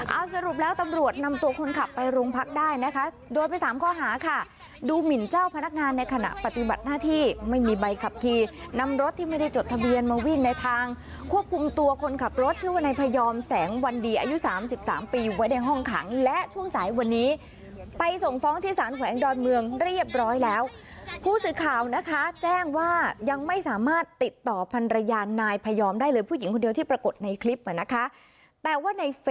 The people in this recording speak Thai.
เอาสรุปแล้วตำรวจนำตัวคนขับไปโรงพักได้นะคะโดยไปสามข้อหาค่ะดูหมินเจ้าพนักงานในขณะปฏิบัติหน้าที่ไม่มีใบขับขี่นำรถที่ไม่ได้จดทะเบียนมาวิ่งในทางควบคุมตัวคนขับรถชื่อว่าในพยอมแสงวันดีอายุสามสิบสามปีอยู่ไว้ในห้องขังและช่วงสายวันนี้ไปส่งฟ้องที่สารขวังดอนเมืองเรียบร้อยแล้ว